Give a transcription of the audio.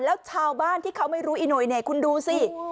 แล้วชาวบ้านที่เขาไม่รู้อีโหยเนี่ยคุณดูสิ